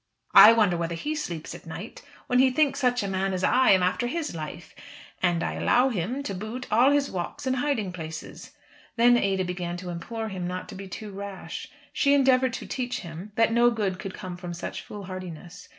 "I wonder whether he sleeps at night, when he thinks such a man as I am after his life. And I allow him, to boot, all his walks and hiding places." Then Ada began to implore him not to be too rash. She endeavoured to teach him that no good could come from such foolhardiness.